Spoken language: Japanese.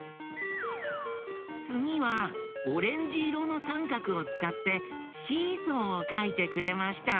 つぎはオレンジいろのさんかくをつかってシーソーをかいてくれました。